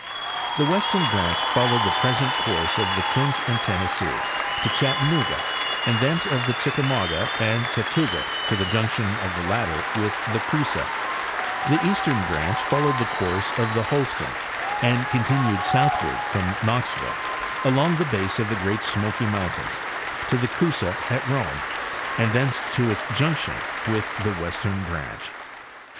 The western branch followed the present course of the Clinch and Tennessee to Chattanooga, and thence of the Chickamauga and Chattooga to the junction of the latter with the Coosa; the eastern branch followed the course of the Holston and continued southward from Knoxville along the base of the Great Smoky mountains ' Extent of the Peneplain. 109 to the Coosa at Rome, and thence to its junction with the western branch.